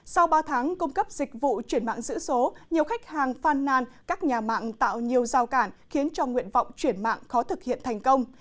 sau ba tháng cung cấp dịch vụ chuyển mạng giữ số nhiều khách hàng phan nan các nhà mạng tạo nhiều giao cản khiến cho nguyện vọng chuyển mạng khó thực hiện thành công